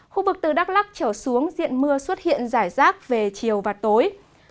khu vực từ đắk lắc trở xuống diện mưa xuất hiện rải rác về chiều và tối